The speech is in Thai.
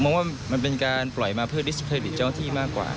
ผมมองว่ามันเป็นการปล่อยมาเพื่อดิสเกอร์ดิทเจ้าที่มากกว่า